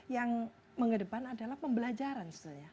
yang mengedepan adalah pembelajaran